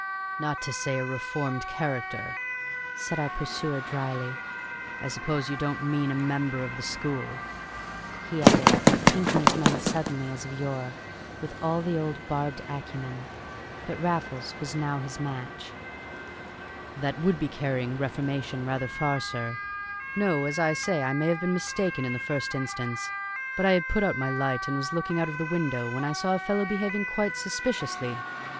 "Not to say a reformed character," said our pursuer dryly. "I suppose you don't mean a member of the school?" he added, pinking his man suddenly as of yore, with all the old barbed acumen. But Raffles was now his match. "That would be carrying reformation rather far, sir. No, as I say, I may have been mistaken in the first instance; but I had put out my light and was looking out of the window when I saw a fellow behaving quite suspiciously.